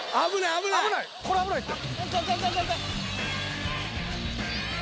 危ないこれ危ないって。